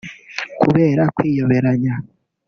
kubera kwiyoberanya